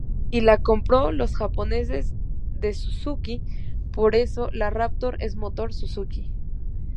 Y la compró los japoneses de Suzuki por eso la Raptor es motor Suzuki.